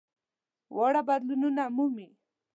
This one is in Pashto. واړه بدلونونه مومي.